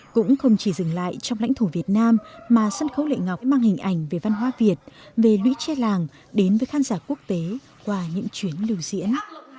cũng không chỉ dừng lại trong lãnh thổ việt nam mà sân khấu lệ ngọc mang hình ảnh về văn hóa việt về lũy tre làng đến với khán giả quốc tế qua những chuyến lưu diễn